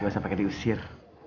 gak usah pake diusir